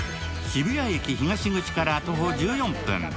渋谷駅東口から徒歩１４分。